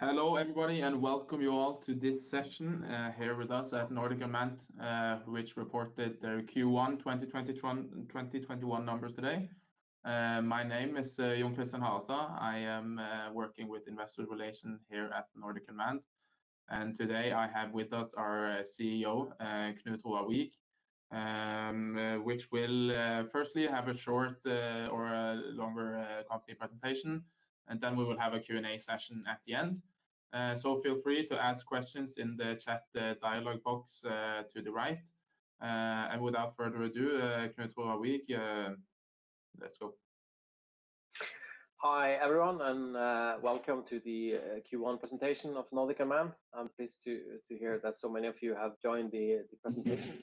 Hello everybody, welcome you all to this session here with us at Nordic Unmanned, which reported their Q1 2021 numbers today. My name is Jon Christian Harestad. I am working with Investor Relations here at Nordic Unmanned. Today I have with us our CEO, Knut Roar Wiig, which will 1stly have a short or a longer company presentation, and then we will have a Q&A session at the end. Feel free to ask questions in the chat dialogue box to the right. Without further ado, Knut Roar Wiig, let's go. Hi everyone, welcome to the Q1 presentation of Nordic Unmanned. I'm pleased to hear that so many of you have joined the presentation.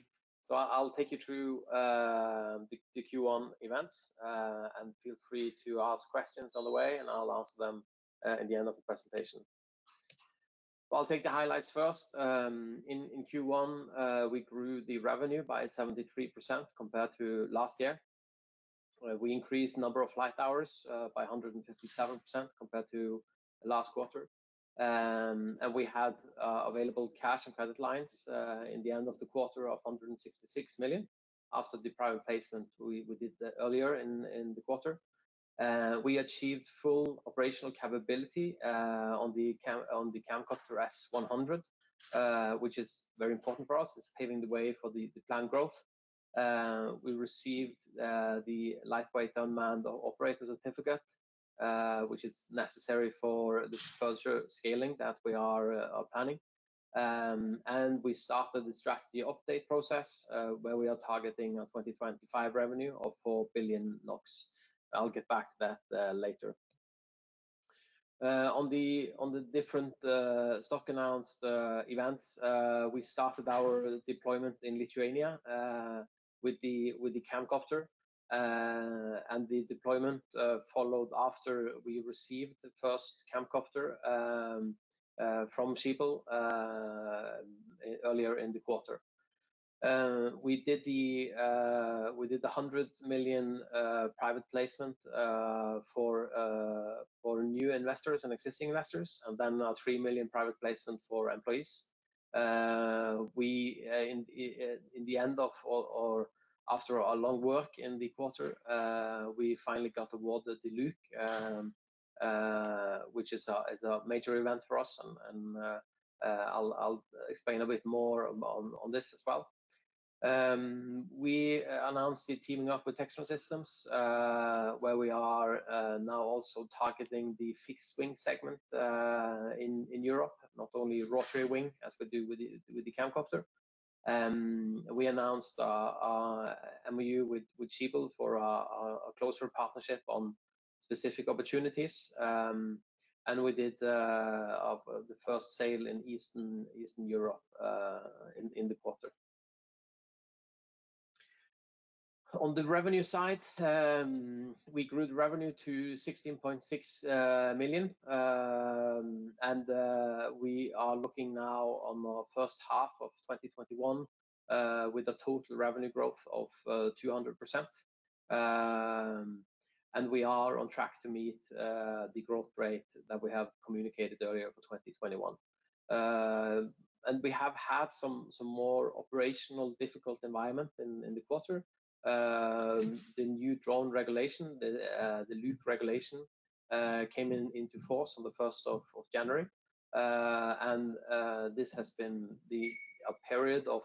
I'll take you through the Q1 events, feel free to ask questions on the way, I'll answer them at the end of the presentation. I'll take the highlights 1st. In Q1, we grew the revenue by 73% compared to last year. We increased the number of flight hours by 157% compared to last quarter. We had available cash and credit lines in the end of the quarter of 166 million after the private placement we did earlier in the quarter. We achieved full operational capability on the Camcopter S-100, which is very important for us. It's paving the way for the planned growth. We received the Light UAS Operator Certificate, which is necessary for the future scaling that we are planning. We started the strategy update process, where we are targeting a 2025 revenue of 4 billion NOK. I'll get back to that later. On the different stock announced events, we started our deployment in Lithuania with the Camcopter. The deployment followed after we received the 1st Camcopter from Schiebel earlier in the quarter. We did the 100 million private placement for new investors and existing investors, and then a 3 million private placement for employees. After a long work in the quarter, we finally got awarded the LUC, which is a major event for us, and I'll explain a bit more on this as well. We announced the teaming up with Textron Systems, where we are now also targeting the fixed-wing segment in Europe, not only rotary wing as we do with the Camcopter. We announced a MOU with Schiebel for a closer partnership on specific opportunities. We did the 1st sale in Eastern Europe in the quarter. On the revenue side, we grew the revenue to 16.6 million. We are looking now on our 1st half of 2021 with a total revenue growth of 200%. We are on track to meet the growth rate that we have communicated earlier for 2021. We have had some more operational difficult environment in the quarter. The new drone regulation, the LUC regulation, came into force on the 1st of January. This has been a period of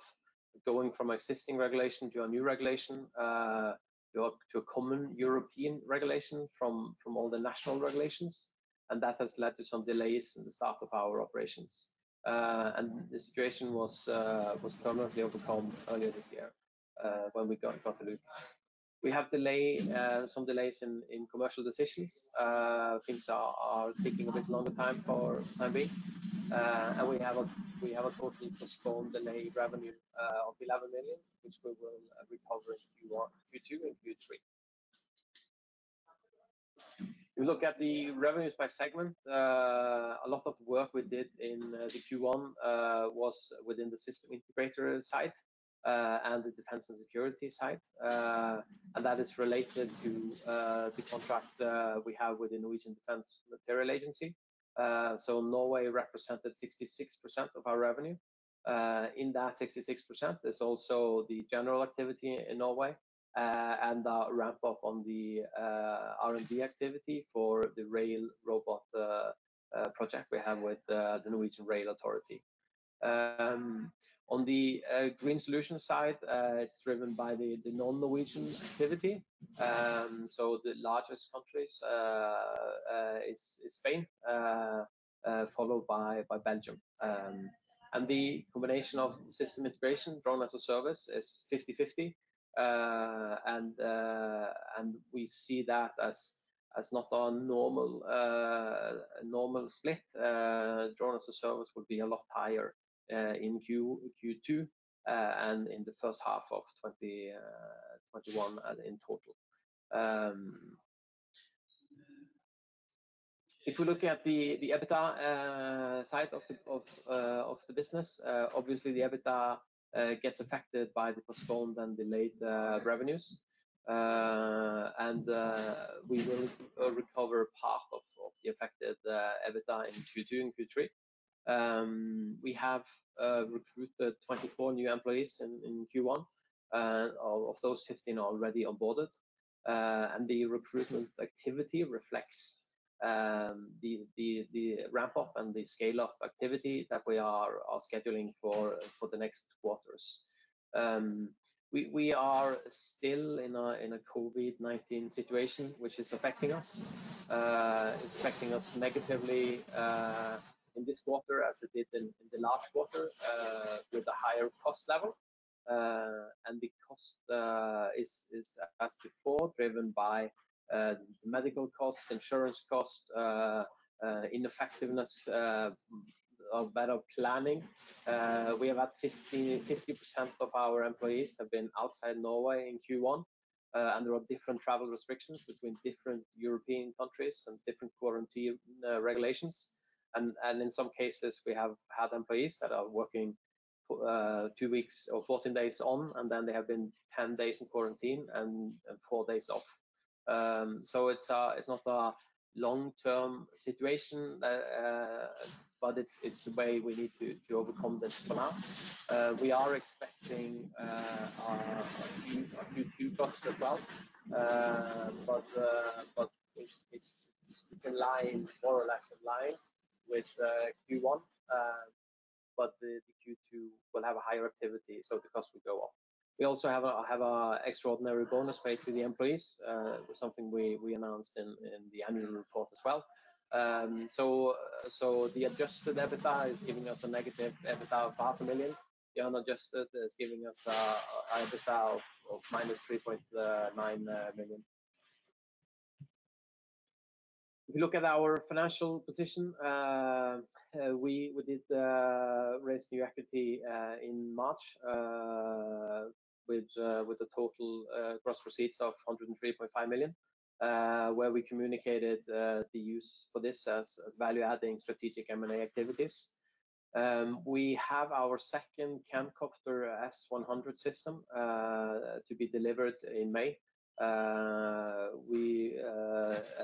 going from existing regulation to a new regulation, to a common European regulation from all the national regulations, and that has led to some delays in the start of our operations. The situation was permanently overcome earlier this year when we got LUC. We have some delays in commercial decisions. Things are taking a bit longer time for planning. We have a totally postponed delayed revenue of 11 million, which we will recover in Q2 and Q3. If you look at the revenues by segment, a lot of work we did in the Q1 was within the System Integrator side and the Defense & Security side. That is related to the contract we have with the Norwegian Defence Materiel Agency. Norway represented 66% of our revenue. In that 66%, there's also the general activity in Norway and the ramp-up on the R&D activity for the rail robot project we have with the Norwegian Railway Directorate. On the Green Solutions side, it's driven by the non-Norwegian activity. The largest country is Spain, followed by Belgium. The combination of System Integration, Drone as a Service is 50/50. We see that as not our normal split. Drone as a Service will be a lot higher in Q2 and in the 1st half of 2021 and in total. If you look at the EBITDA side of the business. Obviously, the EBITDA gets affected by the postponed and delayed revenues. We will recover part of the affected EBITDA in Q2 and Q3. We have recruited 24 new employees in Q1. Of those, 15 are already onboarded, and the recruitment activity reflects the ramp-up and the scale-up activity that we are scheduling for the next quarters. We are still in a COVID-19 situation, which is affecting us negatively in this quarter as it did in the last quarter with a higher cost level. The cost is, as before, driven by medical costs, insurance costs, ineffectiveness of better planning. We have had 50% of our employees have been outside Norway in Q1, there are different travel restrictions between different European countries and different quarantine regulations. In some cases, we have had employees that are working two weeks or 14 days on, and then they have been 10 days in quarantine and four days off. It's not a long-term situation, but it's the way we need to overcome this for now. We are expecting a Q2 bump, but it's more or less in line with Q1, but the Q2 will have a higher activity, so the costs will go up. We also have an extraordinary bonus paid to the employees, something we announced in the annual report as well. The adjusted EBITDA is giving us a negative EBITDA of NOK half a million. The unadjusted is giving us an EBITDA of -3.9 million. If you look at our financial position, we did raise new equity in March, with a total gross proceeds of 103.5 million, where we communicated the use for this as value-adding strategic M&A activities. We have our 2nd Camcopter S-100 system to be delivered in May.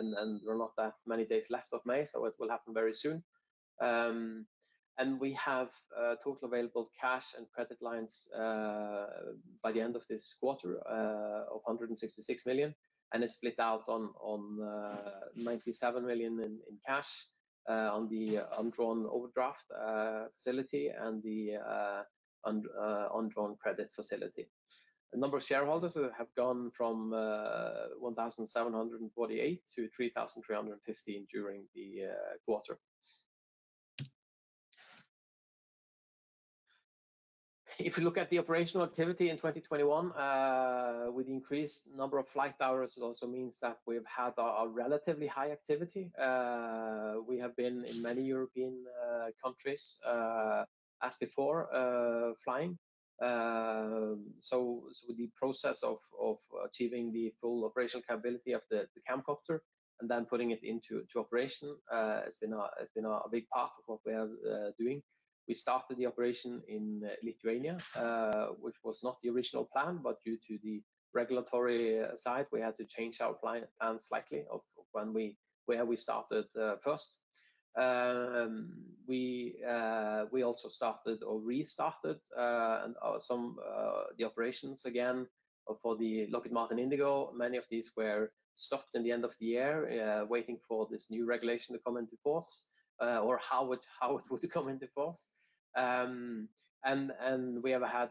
There are not that many days left of May, so it will happen very soon. We have total available cash and credit lines by the end of this quarter of 166 million, and it's split out on 97 million in cash on the undrawn overdraft facility and the undrawn credit facility. The number of shareholders have gone from 1,748 to 3,315 during the quarter. If you look at the operational activity in 2021, with the increased number of flight hours, it also means that we've had a relatively high activity. We have been in many European countries as before flying. The process of achieving the full operational capability of the Camcopter and then putting it into operation has been a big part of what we are doing. We started the operation in Lithuania, which was not the original plan, but due to the regulatory side, we had to change our plan slightly of where we started 1st. We also started or restarted some operations again for the Lockheed Martin Indago. Many of these were stopped in the end of the year, waiting for this new regulation to come into force or how it was to come into force. We have had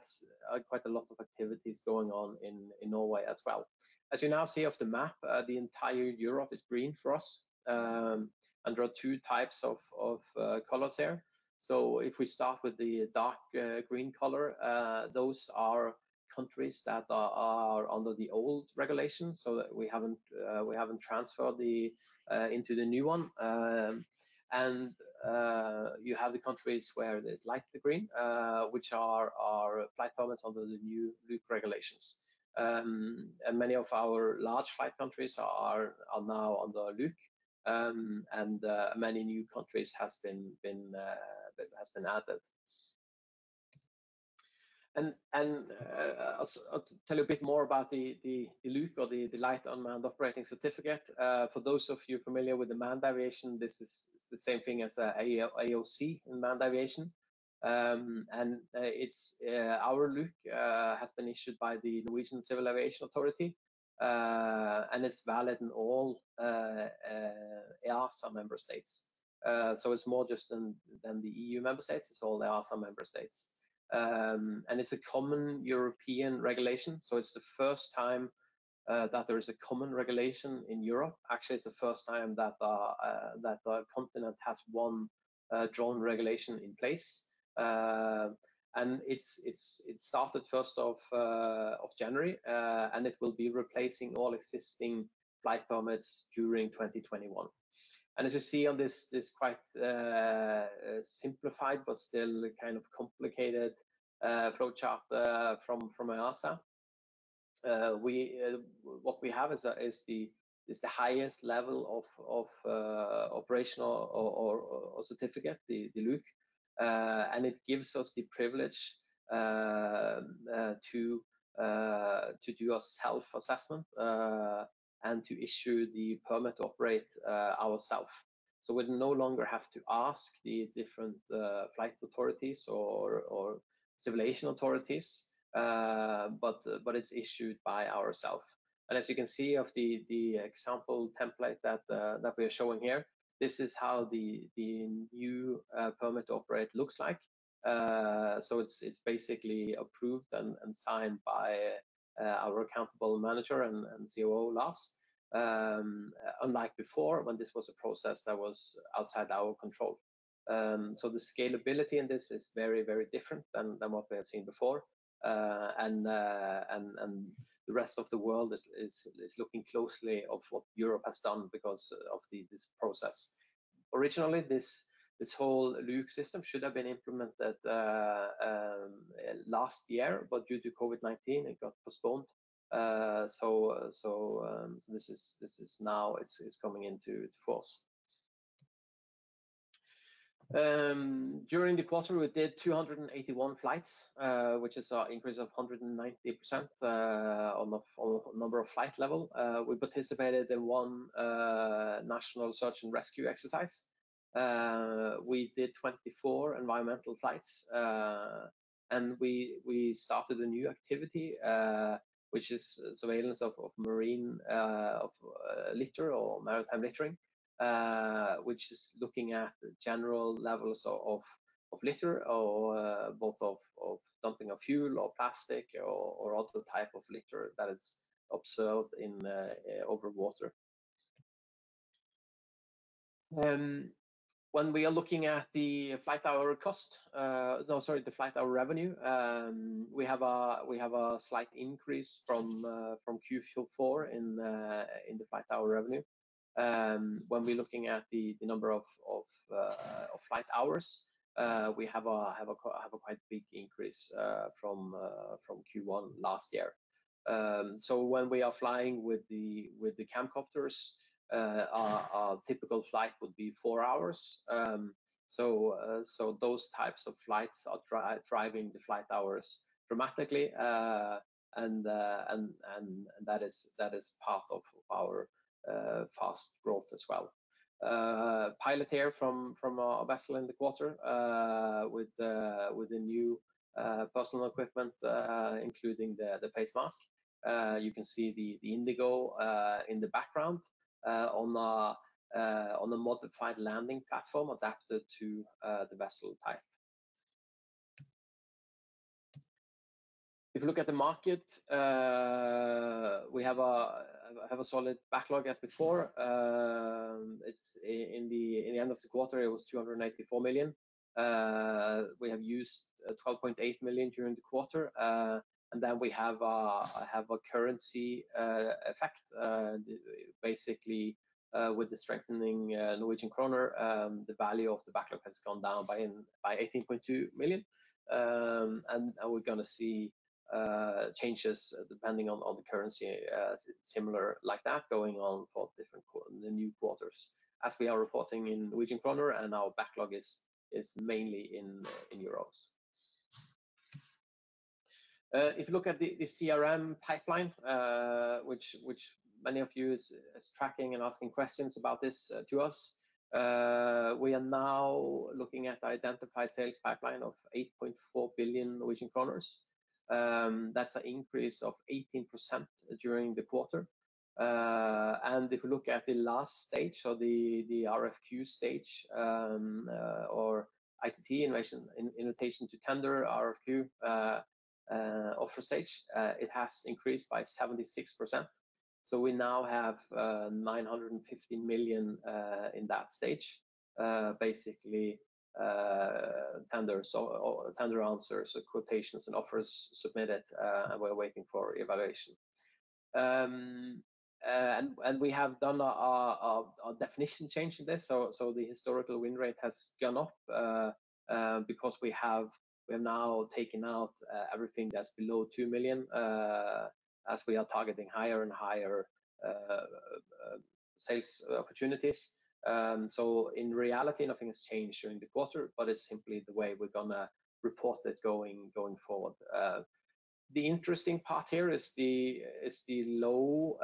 quite a lot of activities going on in Norway as well. As you now see off the map, the entire Europe is green for us. There are two types of colors there. If we start with the dark green color, those are countries that are under the old regulations, so we haven't transferred into the new one. You have the countries where there's light green, which are our flight permits under the new LUC regulations. Many of our large flight countries are now under LUC, and many new countries have been added. I'll tell a bit more about the LUC or the Light UAS Operator Certificate. For those of you familiar with manned aviation, this is the same thing as the AOC in manned aviation. Our LUC has been issued by the Norwegian Civil Aviation Authority, and it's valid in all EASA member states. It's more than the EU member states. It's all EASA member states. It's a common European regulation, so it's the 1st time that there is a common regulation in Europe. Actually, it's the 1st time that the continent has one joint regulation in place. It started 1st of January, and it will be replacing all existing flight permits during 2021. As you see on this quite simplified but still kind of complicated flowchart from EASA. What we have is the highest level of operational certificate, the LUC, and it gives us the privilege to do a self-assessment and to issue the permit to operate ourself. We no longer have to ask the different flight authorities or civil aviation authorities, but it's issued by ourself. As you can see of the example template that we're showing here, this is how the new permit to operate looks like. It's basically approved and signed by our accountable manager and COO, Lars, unlike before when this was a process that was outside our control. The scalability in this is very different than what we have seen before. The rest of the world is looking closely at what Europe has done because of this process. Originally, this whole LUC system should have been implemented last year, but due to COVID-19, it got postponed. This is now coming into force. During the quarter, we did 281 flights, which is an increase of 119% on the number of flight level. We participated in one national search and rescue exercise. We did 24 environmental flights. We started a new activity, which is surveillance of marine litter or maritime littering, which is looking at the general levels of litter, both of dumping of fuel or plastic or other type of litter that is observed over water. When we are looking at the flight hour revenue, we have a slight increase from Q4 in the flight hour revenue. When we are looking at the number of flight hours, we have a quite big increase from Q1 last year. When we are flying with the Camcopters, our typical flight would be four hours. Those types of flights are driving the flight hours dramatically, and that is part of our fast growth as well. Pilot here from our vessel in the quarter with the new personal equipment, including the face mask. You can see the Indago in the background on a modified landing platform adapted to the vessel type. If you look at the market, we have a solid backlog as before. In the end of the quarter, it was 284 million. We have used 12.8 million during the quarter. We have a currency effect. With the strengthening Norwegian kroner, the value of the backlog has gone down by 18.2 million. We're going to see changes depending on the currency, similar like that going on for the new quarters, as we are reporting in Norwegian kroner and our backlog is mainly in euros. If you look at the CRM pipeline, which many of you is tracking and asking questions about this to us, we are now looking at identified sales pipeline of 8.4 billion Norwegian kroner. That's an increase of 18% during the quarter. If you look at the last stage or the RFQ stage or ITT, Invitation to Tender, RFQ offer stage, it has increased by 76%. We now have 950 million in that stage. Tender answers or quotations and offers submitted, and we're waiting for evaluation. We have done a definition change in this. The historical win rate has gone up because we have now taken out everything that's below 2 million, as we are targeting higher and higher sales opportunities. In reality, nothing's changed during the quarter, but it's simply the way we're going to report it going forward. The interesting part here is the low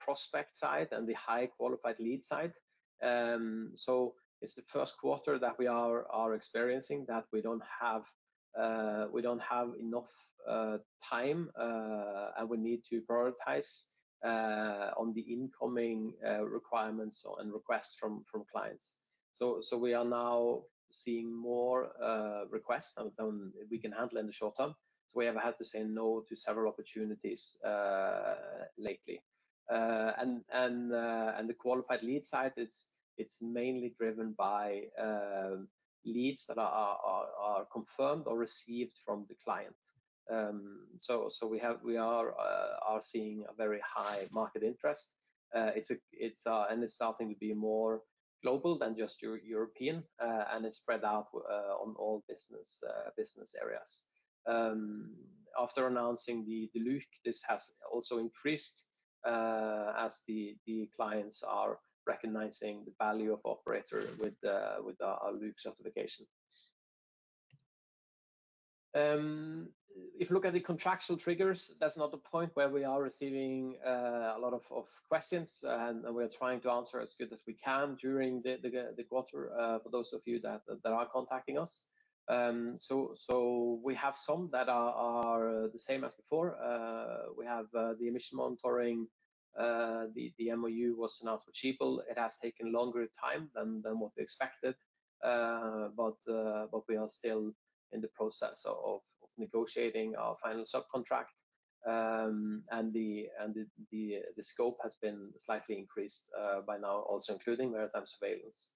prospect side and the high qualified lead side. It's the 1st quarter that we are experiencing that we don't have enough time, and we need to prioritize the incoming requirements and requests from clients. We are now seeing more requests than we can handle in the short term. We have had to say no to several opportunities lately. The qualified lead side, it's mainly driven by leads that are confirmed or received from the client. We are seeing a very high market interest. It's starting to be more global than just European. It's spread out on all business areas. After announcing the LUC, this has also increased as the clients are recognizing the value of operator with our LUC certification. If you look at the contractual triggers, that's not the point where we are receiving a lot of questions. We're trying to answer as good as we can during the quarter for those of you that are contacting us. We have some that are the same as before. We have the emission monitoring. The MOU was announced with Schiebel. It has taken longer time than what we expected. We are still in the process of negotiating our final subcontract. The scope has been slightly increased by now, also including maritime surveillance.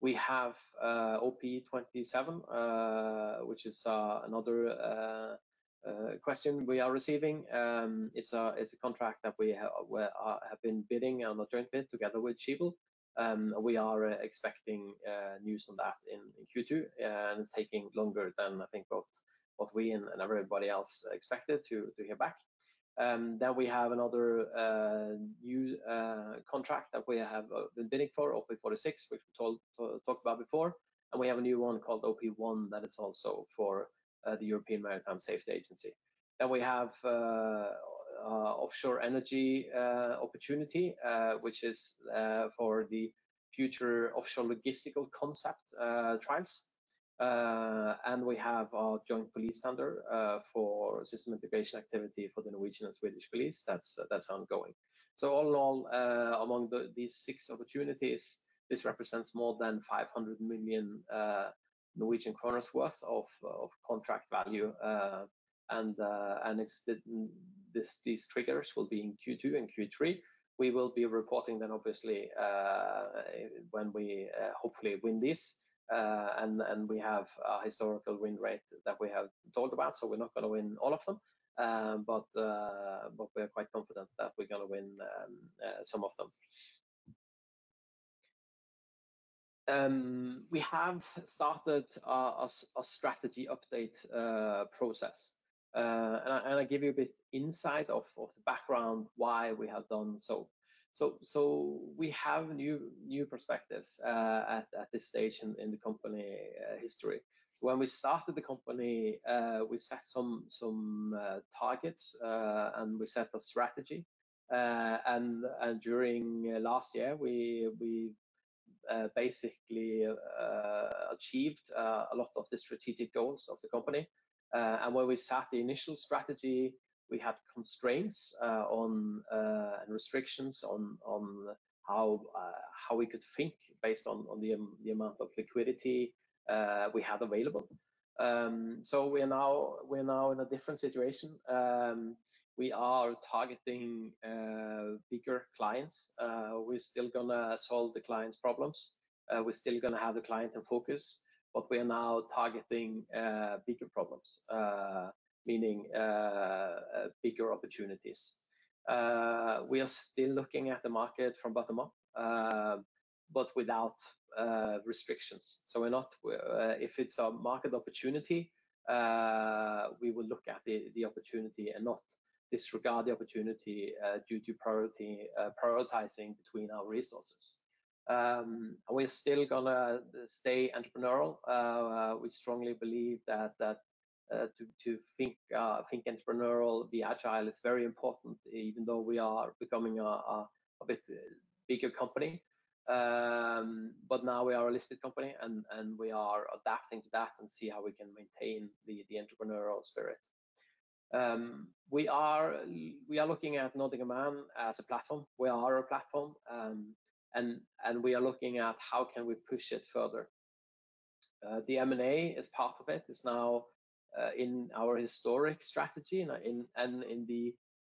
We have OP 27, which is another question we are receiving. It's a contract that we have been bidding on jointly together with Schiebel. We are expecting news on that in Q2. It's taking longer than I think what we and everybody else expected to hear back. We have another new contract that we have been bidding for, OP 46, which we talked about before, and we have a new one called OP 1 that is also for the European Maritime Safety Agency. We have offshore energy opportunity, which is for the future offshore logistical concept trials. We have our joint police tender for system integration activity for the Norwegian and Swedish police. That's ongoing. All along these six opportunities, this represents more than 500 million Norwegian kroner worth of contract value. These triggers will be in Q2 and Q3. We will be reporting them obviously when we hopefully win this. We have a historical win rate that we have talked about, so we're not going to win all of them. We're quite confident that we're going to win some of them. We have started a strategy update process. I'll give you a bit insight of the background why we have done so. We have new perspectives at this stage in the company history. When we started the company, we set some targets, and we set a strategy. During last year, we basically achieved a lot of the strategic goals of the company. When we set the initial strategy, we had constraints and restrictions on how we could think based on the amount of liquidity we had available. We're now in a different situation, and we are targeting bigger clients. We're still going to solve the client's problems, and we're still going to have the client in focus, but we're now targeting bigger problems, meaning bigger opportunities. We are still looking at the market from bottom up, but without restrictions. If it's a market opportunity, we will look at the opportunity and not disregard the opportunity due to prioritizing between our resources. We're still going to stay entrepreneurial. We strongly believe that to think entrepreneurial, be agile is very important even though we are becoming a bit bigger company. Now we are a listed company, and we are adapting to that and see how we can maintain the entrepreneurial spirit. We are looking at Nordic Unmanned as a platform. We are a platform, and we are looking at how can we push it further. The M&A is part of it. It's now in our historic strategy and in the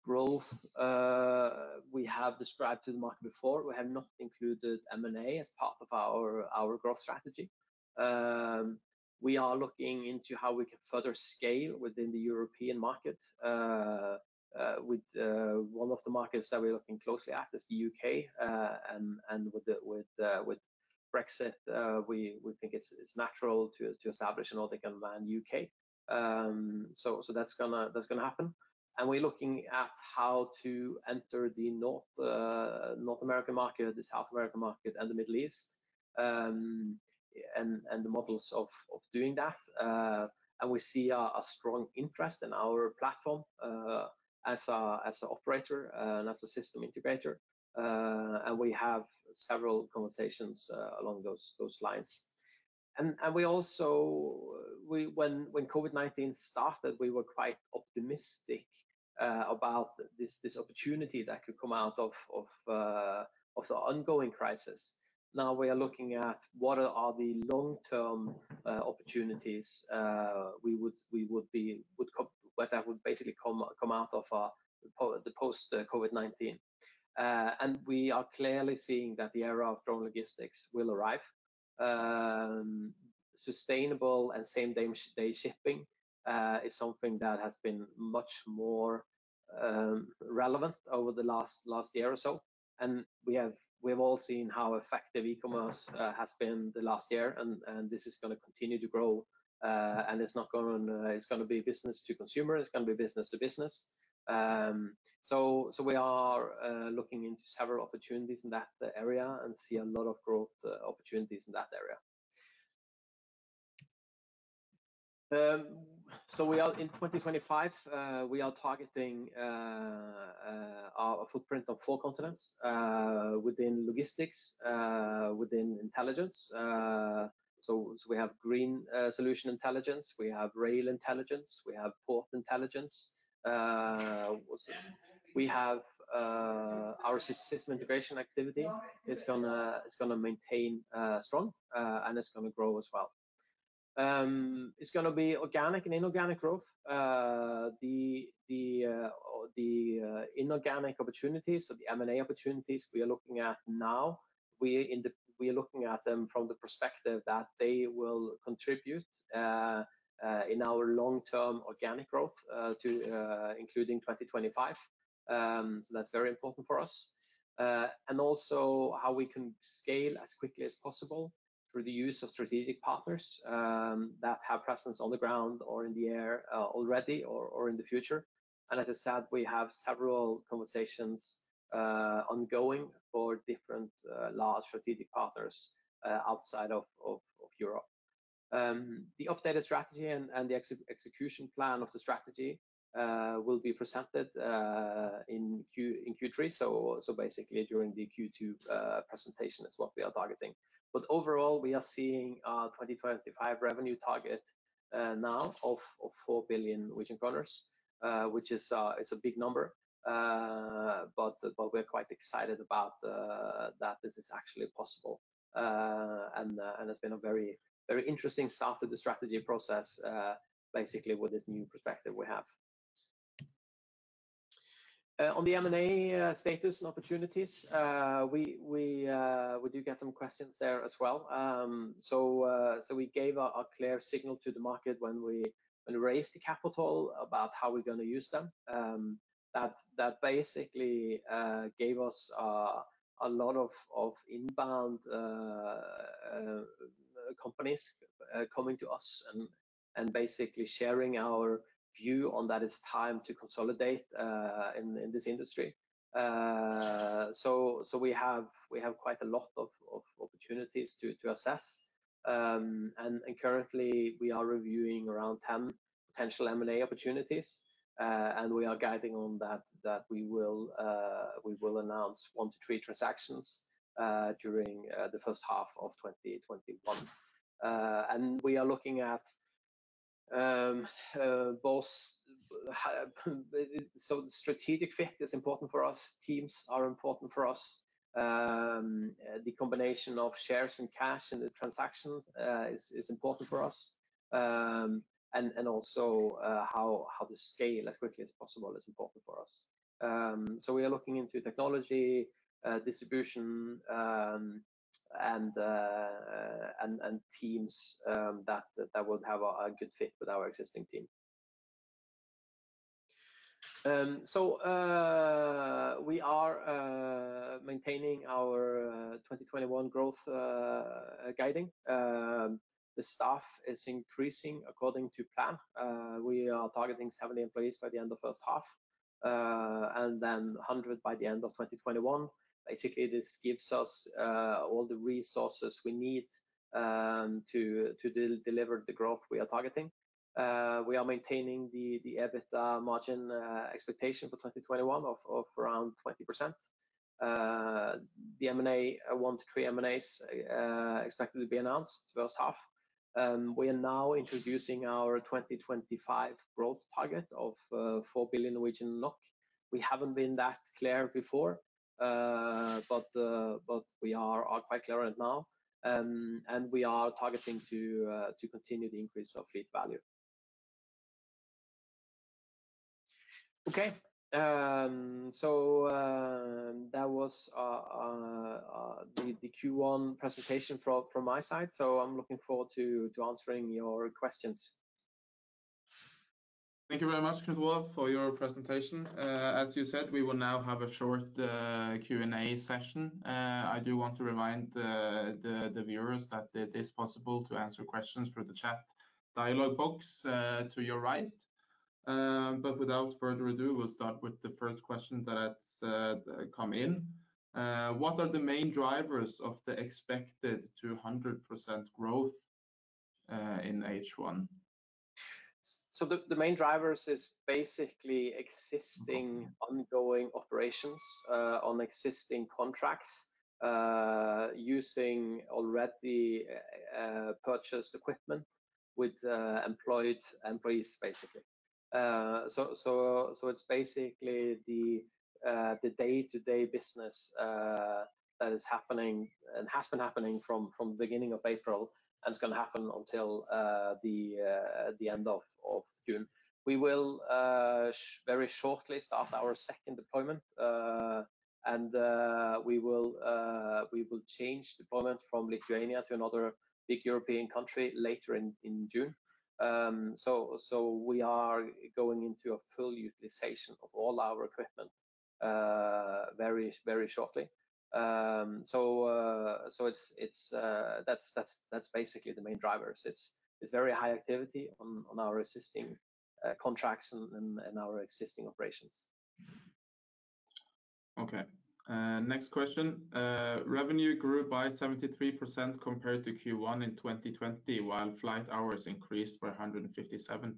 growth we have described in the market before. We have not included M&A as part of our growth strategy. We are looking into how we can further scale within the European market. One of the markets that we are looking closely at is the U.K., and with Brexit, we think it's natural to establish Nordic Unmanned UK. That's going to happen. We're looking at how to enter the North American market or the South American market and the Middle East, and the models of doing that. We see a strong interest in our platform as an operator and as a System Integrator. When COVID-19 started, we were quite optimistic about this opportunity that could come out of the ongoing crisis. We are looking at what are the long-term opportunities that would basically come out of the post-COVID-19. We are clearly seeing that the era of drone logistics will arrive. Sustainable and same-day shipping is something that has been much more relevant over the last year or so. We've all seen how effective e-commerce has been the last year, and this is going to continue to grow. It's going to be business to consumer, it's going to be business to business. We are looking into several opportunities in that area and see a lot of growth opportunities in that area. In 2025, we are targeting our footprint on four continents within logistics, within intelligence. We have Green Solutions intelligence, we have rail intelligence, we have port intelligence. Our System integration activity is going to maintain strong and it's going to grow as well. It's going to be organic and inorganic growth. The inorganic opportunities or the M&A opportunities we are looking at now, we are looking at them from the perspective that they will contribute in our long-term organic growth, including 2025. That's very important for us. How we can scale as quickly as possible through the use of strategic partners that have presence on the ground or in the air already or in the future. As I said, we have several conversations ongoing for different large strategic partners outside of Europe. The updated strategy and the execution plan of the strategy will be presented in Q3, so basically during the Q2 presentation is what we are targeting. Overall, we are seeing a 2025 revenue target now of 4 billion Norwegian kroner, which is a big number, but we're quite excited about that this is actually possible. It's been a very interesting start to the strategy process, basically with this new perspective we have. On the M&A status and opportunities, we did get some questions there as well. We gave a clear signal to the market when we raised the capital about how we're going to use them. That basically gave us a lot of inbound companies coming to us and basically sharing our view on that it's time to consolidate in this industry. We have quite a lot of opportunities to assess. Currently we are reviewing around 10 potential M&A opportunities, and we are guiding on that we will announce one to three transactions during the 1st half of 2021. We are looking at both. Strategically it's important for us, teams are important for us. The combination of shares and cash in the transactions is important for us. Also how to scale as quickly as possible is important for us. We are looking into technology, distribution, and teams that would have a good fit with our existing team. We are maintaining our 2021 growth guiding. The staff is increasing according to plan. We are targeting 70 employees by the end of 1st half, and then 100 by the end of 2021. Basically, this gives us all the resources we need to deliver the growth we are targeting. We are maintaining the EBITDA margin expectation for 2021 of around 20%. One to three M&As expected to be announced 1st half. We are now introducing our 2025 growth target of 4 billion Norwegian NOK. We haven't been that clear before, but we are quite clear right now, and we are targeting to continue the increase of fleet value. Okay. That was the Q1 presentation from my side. I am looking forward to answering your questions. Thank you very much, Knut Roar, for your presentation. As you said, we will now have a short Q&A session. I do want to remind the viewers that it is possible to answer questions through the chat dialog box to your right. Without further ado, we'll start with the 1st question that's come in. What are the main drivers of the expected 200% growth in H1? The main drivers is basically existing ongoing operations on existing contracts, using already purchased equipment with employed employees, basically. It's basically the day-to-day business that is happening and has been happening from beginning of April and is going to happen until the end of June. We will very shortly start our 2nd deployment, and we will change deployment from Lithuania to another big European country later in June. We are going into a full utilization of all our equipment very shortly. That's basically the main driver. It's very high activity on our existing contracts and in our existing operations. Next question. Revenue grew by 73% compared to Q1 in 2020, while flight hours increased by 157%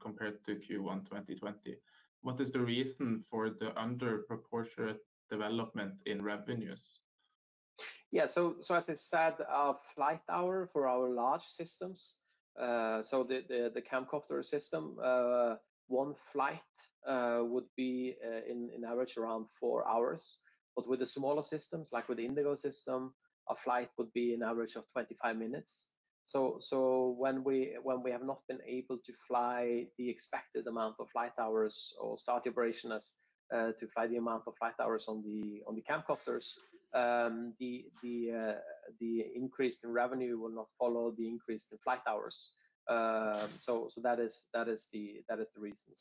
compared to Q1 2020. What is the reason for the under proportionate development in revenues? Yeah. As I said, our flight hour for our large systems, the Camcopter system, one flight would be in average around four hours. With the smaller systems, like with the Indago system, a flight would be an average of 25 minutes. When we have not been able to fly the expected amount of flight hours or start operations to fly the amount of flight hours on the Camcopters, the increase in revenue will not follow the increase in flight hours. That is the reason.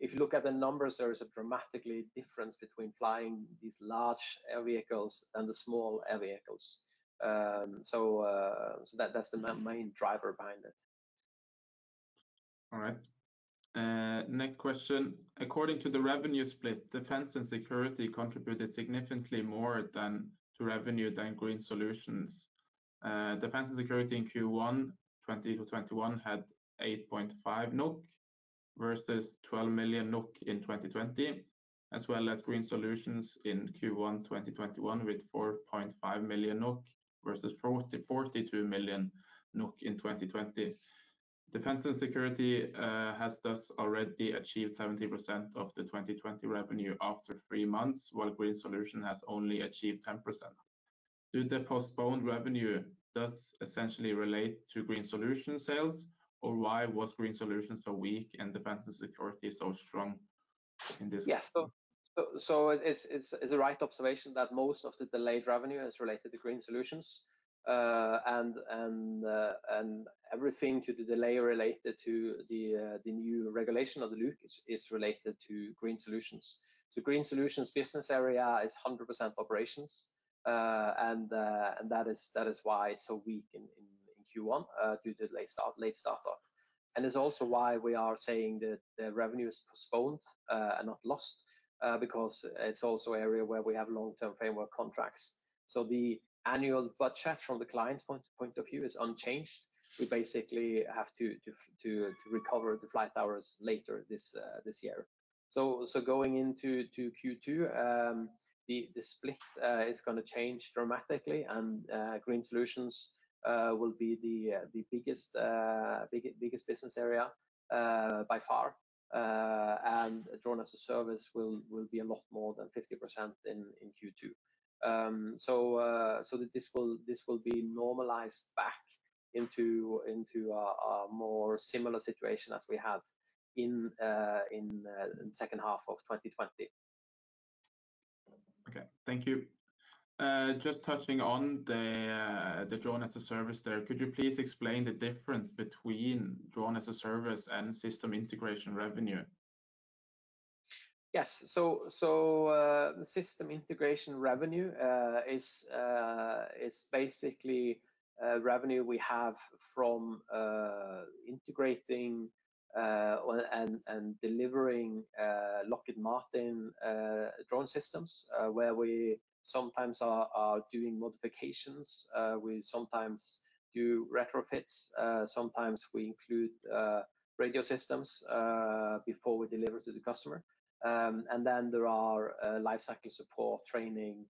If you look at the numbers, there is a dramatically difference between flying these large air vehicles and the small air vehicles. That's the main driver behind it. All right. Next question. According to the revenue split, Defense & Security contributed significantly more to revenue than Green Solutions. Defense & Security in Q1 2021 had 8.5 NOK versus 12 million NOK in 2020, as well as Green Solutions in Q1 2021 with 4.5 million NOK versus 42 million NOK in 2020. Defense & Security has thus already achieved 70% of the 2020 revenue after three months, while Green Solutions has only achieved 10%. Did the postponed revenue thus essentially relate to Green Solutions sales? Why was Green Solutions so weak and Defense & Security so strong in this? Yes. It's a right observation that most of the delayed revenue is related to Green Solutions. Everything to the delay related to the new regulation of the LUC is related to Green Solutions. The Green Solutions business area is 100% operations. That is why it's so weak in Q1, due to late start off. It's also why we are saying that the revenue is postponed and not lost, because it's also an area where we have long-term framework contracts. The annual budget from the client's point of view is unchanged. We basically have to recover the flight hours later this year. Going into Q2, the split is going to change dramatically, and Green Solutions will be the biggest business area by far. Drone as a Service will be a lot more than 50% in Q2. This will be normalized back into a more similar situation as we had in the 2nd half of 2020. Okay. Thank you. Just touching on the Drone as a Service there, could you please explain the difference between Drone as a Service and system integration revenue? System integration revenue is basically revenue we have from integrating and delivering Lockheed Martin drone systems, where we sometimes are doing modifications. We sometimes do retrofits. Sometimes we include radio systems before we deliver to the customer. There are life cycle support, training,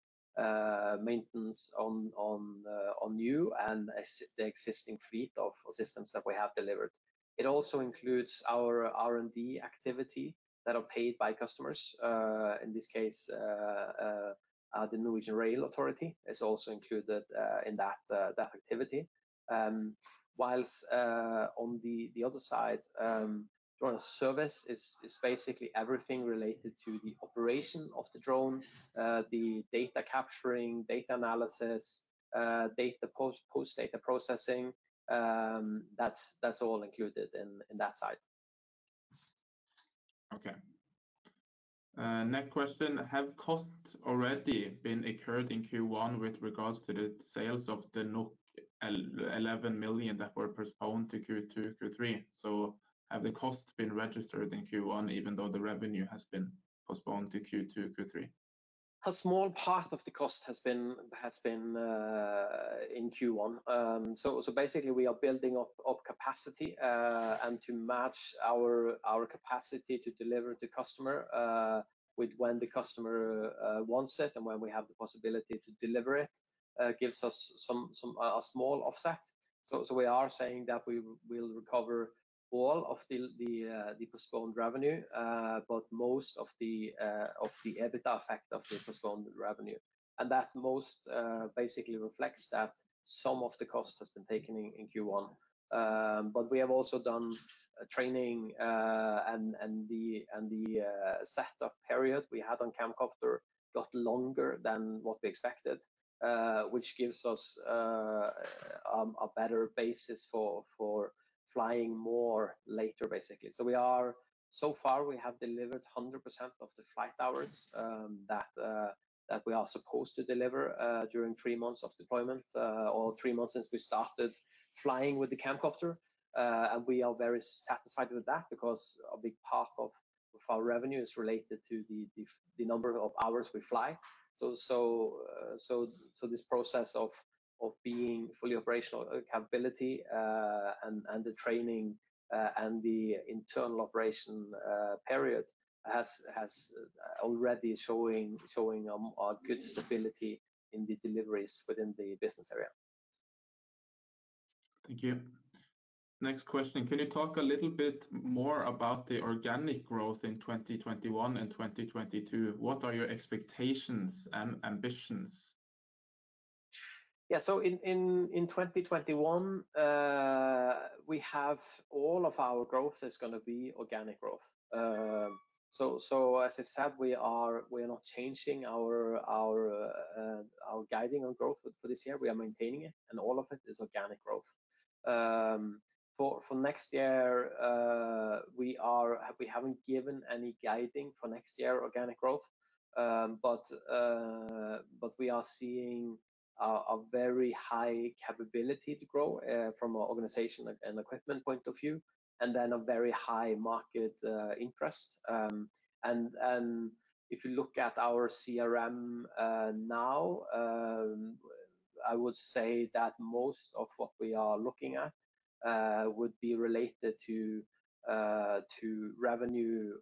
maintenance on new and the existing fleet of systems that we have delivered. It also includes our R&D activity that are paid by customers. In this case, the Norwegian Railway Directorate is also included in that activity. Whilst on the other side, Drone as a Service is basically everything related to the operation of the drone, the data capturing, data analysis, post data processing. That's all included in that side. Okay. Next question. Have costs already been incurred in Q1 with regards to the sales of the 11 million that were postponed to Q2, Q3? Have the costs been registered in Q1 even though the revenue has been postponed to Q2, Q3? Basically, we are building up capacity and to match our capacity to deliver to customer when the customer wants it and when we have the possibility to deliver it, gives us a small offset. We are saying that we will recover all of the postponed revenue, but most of the EBITDA effect of the postponed revenue. That most basically reflects that some of the cost has been taken in Q1. We have also done training, and the setup period we had on Camcopter got longer than what we expected, which gives us a better basis for flying more later, basically. Far, we have delivered 100% of the flight hours that we are supposed to deliver during three months of deployment, or three months since we started flying with the Camcopter. We are very satisfied with that because a big part of our revenue is related to the number of hours we fly. This process of being fully operational capability and the training, and the internal operation period has already showing a good stability in the deliveries within the business area. Thank you. Next question: Can you talk a little bit more about the organic growth in 2021 and 2022? What are your expectations and ambitions? Yeah. In 2021, we have all of our growth is going to be organic growth. As I said, we are not changing our guiding on growth for this year. We are maintaining it, all of it is organic growth. For next year, we haven't given any guiding for next year organic growth. We are seeing a very high capability to grow from an organization and equipment point of view, and then a very high market interest. If you look at our CRM now, I would say that most of what we are looking at would be related to revenue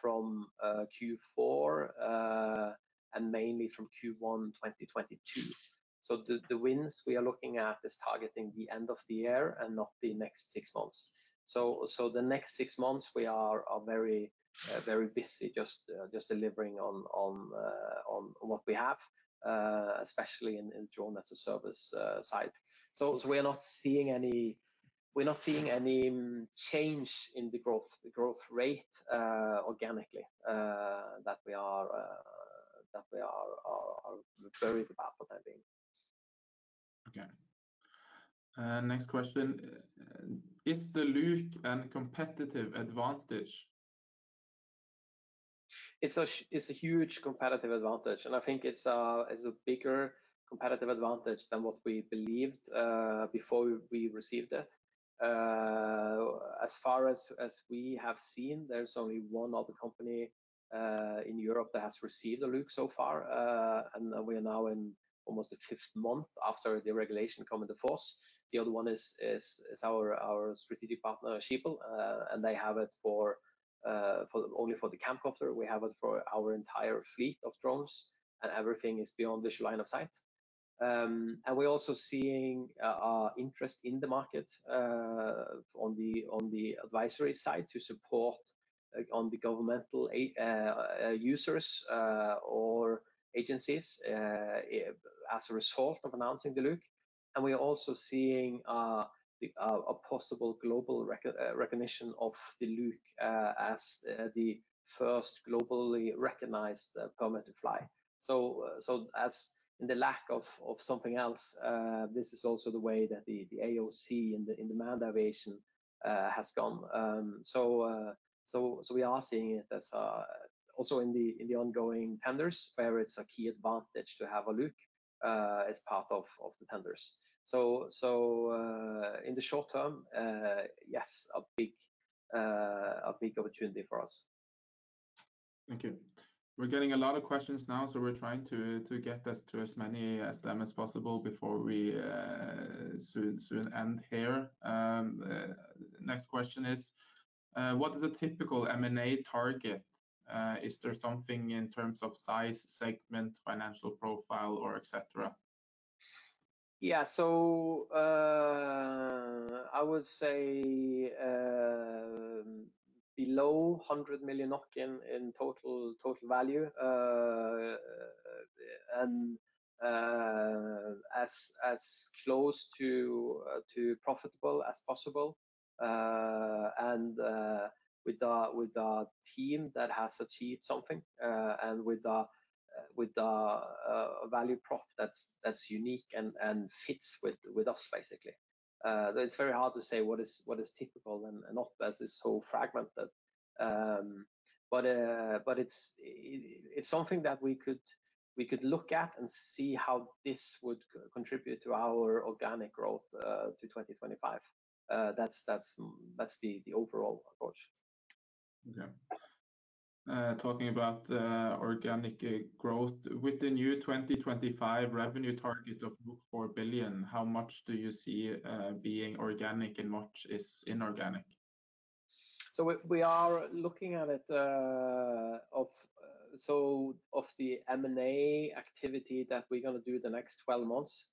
from Q4 and mainly from Q1 2022. The wins we are looking at is targeting the end of the year and not the next six months. The next six months, we are very busy just delivering on what we have, especially in Drone as a Service side. We're not seeing any change in the growth rate organically that we are very happy with, I think. Okay. Next question. Is the LUC a competitive advantage? It's a huge competitive advantage, and I think it's a bigger competitive advantage than what we believed before we received it. As far as we have seen, there's only one other company in Europe that has received a LUC so far, and we're now in almost the fifth month after the regulation come into force. The other one is our strategic partner, Schiebel, and they have it only for the Camcopter. We have it for our entire fleet of drones, and everything is done on the Shuina site. We're also seeing interest in the market on the advisory side to support on the governmental users or agencies as a result of announcing the LUC. We're also seeing a possible global recognition of the LUC as the 1st globally recognized permit to fly. As in the lack of something else, this is also the way that the AOC in the manned aviation has gone. We are seeing it as also in the ongoing tenders where it's a key advantage to have a LUC as part of the tenders. In the short term, yes, a big opportunity for us. Okay. We're getting a lot of questions now, so we're trying to get to as many of them as possible before we soon end here. Next question is, what is a typical M&A target? Is there something in terms of size, segment, financial profile, or et cetera? Yeah. I would say below 100 million in total value, and as close to profitable as possible. With a team that has achieved something, and with a value prop that's unique and fits with us, basically. It's very hard to say what is typical in M&A as it's so fragmented. It's something that we could look at and see how this would contribute to our organic growth to 2025. That's the overall approach. Okay. Organic growth with the new 2025 revenue target of 4 billion, how much do you see being organic and how much is inorganic? We are looking at it. Of the M&A activity that we're going to do the next 12 months,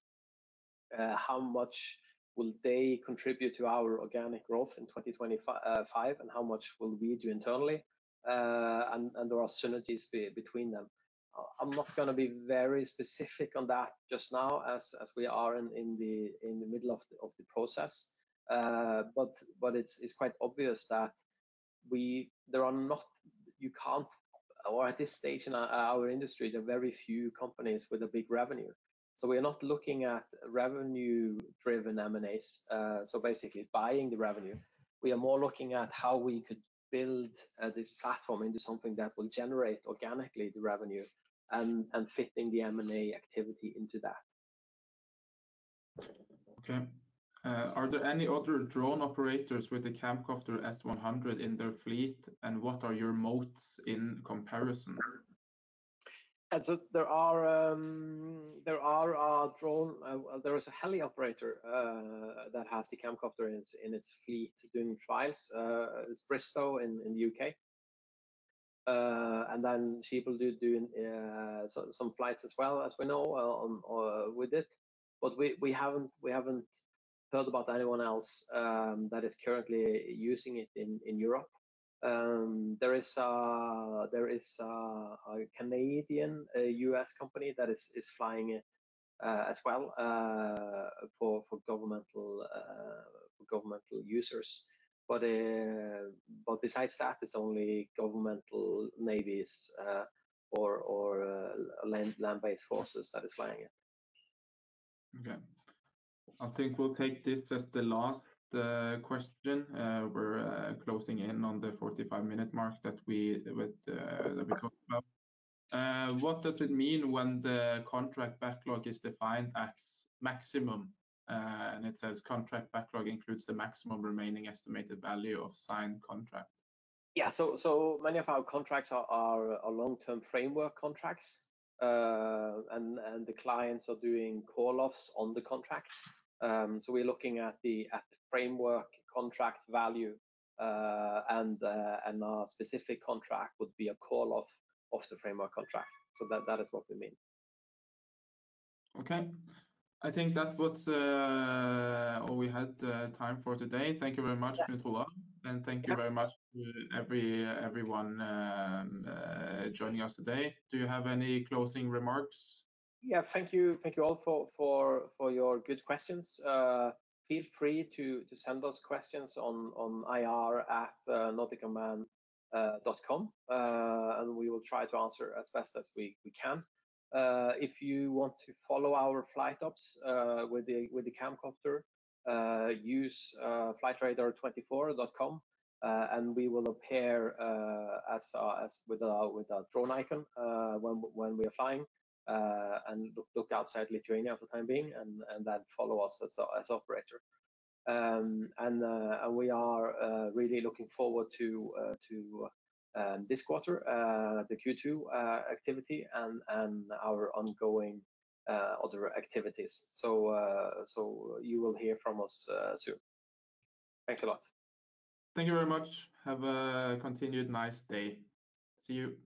how much will they contribute to our organic growth in 2025, and how much will be done internally? There are synergies between them. I'm not going to be very specific on that just now as we are in the middle of the process. It's quite obvious that at this stage in our industry, there are very few companies with a big revenue. We're not looking at revenue-driven M&As, so basically buying the revenue. We are more looking at how we could build this platform into something that will generate organically the revenue and fitting the M&A activity into that. Okay. Are there any other drone operators with the Camcopter S-100 in their fleet, and what are your moats in comparison? There's a heli operator that has the Camcopter in its fleet doing flights. It's Bristow in the U.K. People do some flights as well, as we know, with it. We haven't heard about anyone else that is currently using it in Europe. There is a Canadian-U.S. company that is flying it as well for governmental users. Besides that, it's only governmental navies or land-based forces that are flying it. Okay. I think we'll take this as the last question. We're closing in on the 45-minute mark that we talked about. What does it mean when the contract backlog is defined as maximum, and it says contract backlog includes the maximum remaining estimated value of signed contract? Many of our contracts are long-term framework contracts. The clients are doing call-offs on the contracts. We're looking at the framework contract value, and our specific contract would be a call-off of the framework contract. That is what we mean. Okay. I think that was all we had time for today. Thank you very much, Knut Roar. Yeah. Thank you very much to everyone joining us today. Do you have any closing remarks? Yeah. Thank you all for your good questions. Feel free to send those questions on ir@nordicunmanned.com. We will try to answer as best as we can. If you want to follow our flight ops with the Camcopter, use flightradar24.com, and we will appear with a drone icon when we're flying. Look outside Lithuania for the time being, and then follow us as operator. We are really looking forward to this quarter, the Q2 activity, and our ongoing other activities. You will hear from us soon. Thanks a lot. Thank you very much. Have a continued nice day. See you.